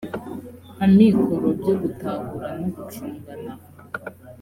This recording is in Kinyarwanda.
amikoro byo gutahura no gucungana